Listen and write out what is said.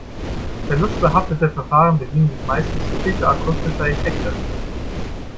Verlustbehaftete Verfahren bedienen sich meistens psychoakustischer Effekte.